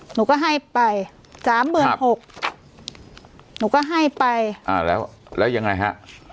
หนูก็ให้ไปสามหมื่นหกหนูก็ให้ไปอ่าแล้วแล้วยังไงฮะ